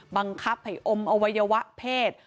บังคับให้อมอวัยวะเพศ